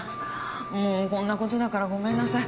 もうこんな事だからごめんなさい。